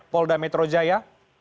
polda metro jaya